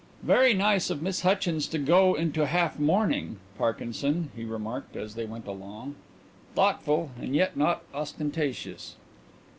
"Very nice of Miss Hutchins to go into half mourning, Parkinson," he remarked as they went along. "Thoughtful, and yet not ostentatious."